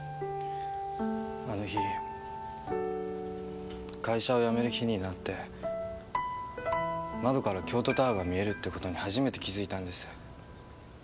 あの日会社を辞める日になって窓から京都タワーが見えるって事に初めて気付いたんです。